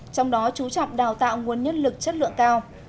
trong đó chú trọng đào tạo nguồn nhân lực chất lượng cao